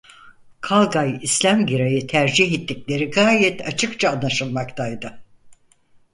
Kalgay İslam Giray'ı tercih ettikleri gayet açıkça anlaşılmaktaydı.